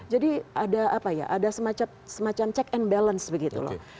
jadi ada semacam check and balance begitu loh